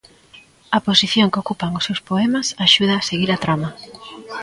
A posición que ocupan os seus poemas axuda a seguir a trama.